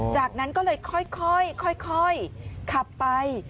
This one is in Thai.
จากนั้นก็เลยค่อยขับไป